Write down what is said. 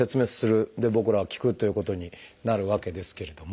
で僕らは聞くということになるわけですけれども。